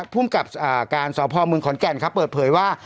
พ้มกับอ่าการสอบภองเมืองขอนแก่นครับเปิดเผยว่า